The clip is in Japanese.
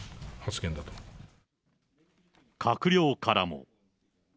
閣僚からも。